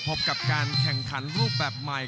พบกับการแข่งขันรูปแบบใหม่